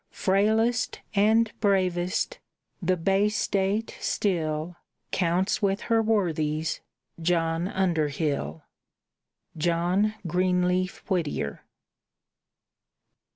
Frailest and bravest! the Bay State still Counts with her worthies John Underhill. JOHN GREENLEAF WHITTIER.